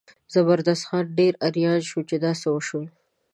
زبردست خان ډېر اریان شو چې دا څه وشول.